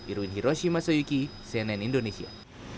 irwin hiroshima soyuki cnn indonesia